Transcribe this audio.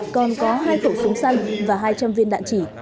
còn có hai khẩu súng săn và hai trăm linh viên đạn chỉ